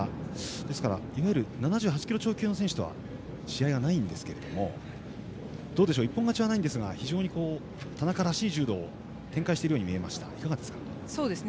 ですからいわゆる７８キロ超級の選手とは試合がないんですけど一本勝ちはないんですが田中らしい柔道を展開しているように見えましたがいかがですか？